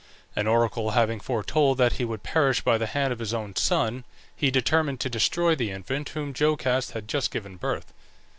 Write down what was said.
An oracle having foretold that he would perish by the hand of his own son, he determined to destroy the infant to whom Jocaste had just given birth.